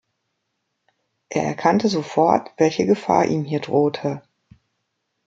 Er erkannte sofort, welche Gefahr ihm hier drohte.